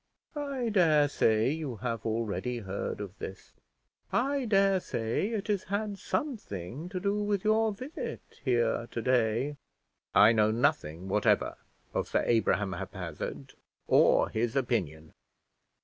I dare say you have already heard of this; I dare say it has had something to do with your visit here to day." "I know nothing whatever of Sir Abraham Haphazard or his opinion."